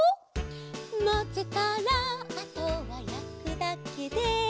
「まぜたらあとはやくだけで」